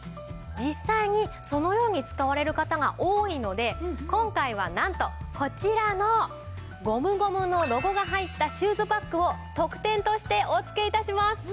実際にそのように使われる方が多いので今回はなんとこちらのゴムゴムのロゴが入ったシューズバッグを特典としてお付け致します！